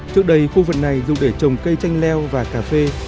trước đây khu vườn này dùng để trồng cây chanh leo và cà phê